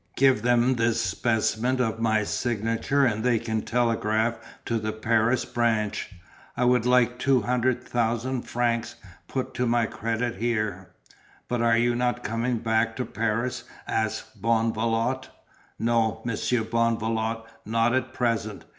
Give them this specimen of my signature and they can telegraph to the Paris branch. I would like two hundred thousand francs put to my credit here. "But are you not coming back to Paris?" asked Bonvalot. "No, Monsieur Bonvalot, not at present!"